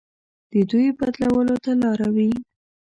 د دوی بدلولو ته لاره وي.